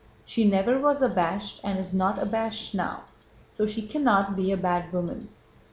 She never was abashed and is not abashed now, so she cannot be a bad woman!"